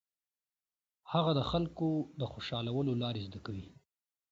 هغه د خلکو د خوشالولو لارې زده کوي.